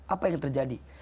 apa yang terjadi